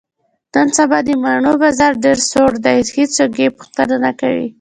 نن سبا د مڼې بازار ډېر سوړ دی، هېڅوک یې پوښتنه نه کوي.